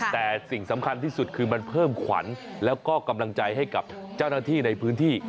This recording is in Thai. แต่สิ่งสำคัญที่สุดคือมันเพิ่มขวัญแล้วก็กำลังใจให้กับเจ้าหน้าที่ในพื้นที่